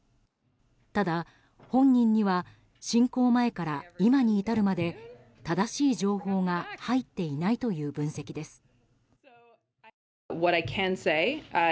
ただ、本人には侵攻前から今に至るまで正しい情報が入っていないという分析です。